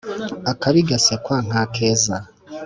Akabi gasekwa nk’akeza.